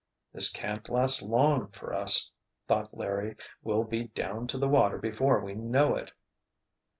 "This can't last long, for us," thought Larry. "We'll be down to the water before we know it!"